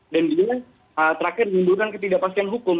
dan dia terakhir mengundurkan ketidakpastian hukum